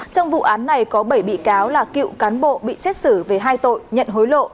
trong vụ án này có bảy bị cáo là cựu cán bộ bị xét xử về hai tội nhận hối lộ